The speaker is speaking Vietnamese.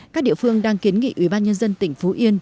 các địa phương đang kiến nghị ủy ban nhân dân tỉnh phú yên